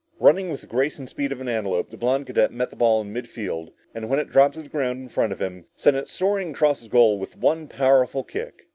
Running with the grace and speed of an antelope, the blond cadet met the ball in mid field, and when it dropped to the ground in front of him, sent it soaring across the goal with one powerful kick!